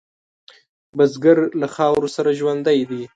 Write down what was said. بزګر له خاورو سره ژوندی دی